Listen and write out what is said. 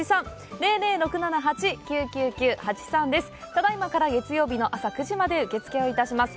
ただ今から月曜日の朝９時まで受け付けをいたします。